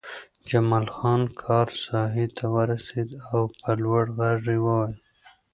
جمال خان کار ساحې ته ورسېد او په لوړ غږ یې وویل